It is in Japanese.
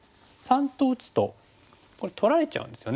③と打つとこれ取られちゃうんですよね。